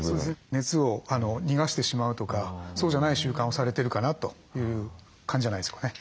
熱を逃がしてしまうとかそうじゃない習慣をされてるかなという感じじゃないでしょうかね。